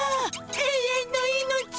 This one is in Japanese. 「永遠の命」♥